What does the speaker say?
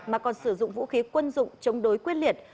mà còn sử dụng vũ khí quân dụng chống đối quyết liệt